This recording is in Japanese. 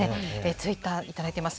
ツイッター、頂いています。